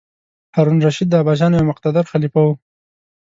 هارون الرشید د عباسیانو یو مقتدر خلیفه و.